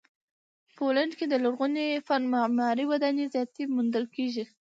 پولنډ کې د لرغوني فن معماري ودانۍ زیاتې موندل کیږي.